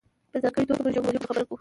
په ځانګړې توګه موږ یوه مهمه خبره کوو.